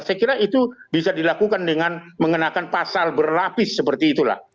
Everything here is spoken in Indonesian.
saya kira itu bisa dilakukan dengan mengenakan pasal berlapis seperti itulah